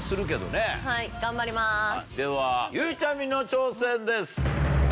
ではゆうちゃみの挑戦です。